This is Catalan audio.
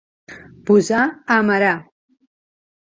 Posar a amarar.